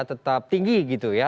tetap tinggi gitu ya